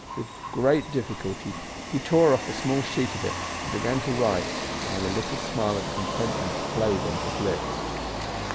With great difficulty he tore off a small sheet of it and began to write, while a little smile of contentment played on his lips.